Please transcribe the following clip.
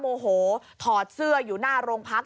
โมโหถอดเสื้ออยู่หน้าโรงพัก